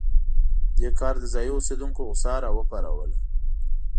دې کار د ځايي اوسېدونکو غوسه راوپاروله.